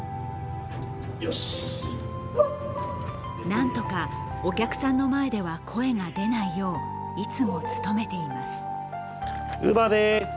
なんとかお客さんの前では声が出ないよういつも努めています。